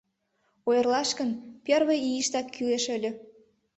Ойырлаш гын, первый ийыштак кӱлеш ыле.